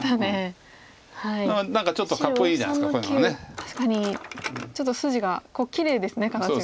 確かにちょっと筋がきれいですね形が。